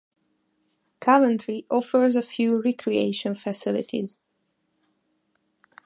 Coventry offers a few recreation facilities.